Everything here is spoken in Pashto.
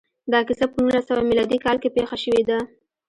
دا کیسه په نولس سوه میلادي کال کې پېښه شوې ده